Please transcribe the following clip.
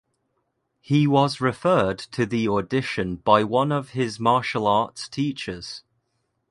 He was referred to the audition by one of his martial arts teachers.